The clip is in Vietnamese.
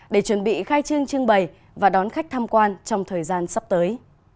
để chuẩn bị khai trương trưng bày và đón khách tham quan trong thời gian sắp tới